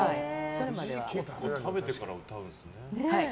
結構、食べてから歌うんですね。